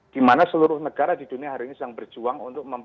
di mana seluruh negara di dunia hari ini sedang berjuang untuk memperbaiki